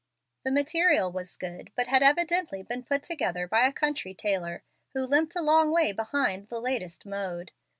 The material was good, but had evidently been put together by a country tailor, who limped a long way behind the latest mode.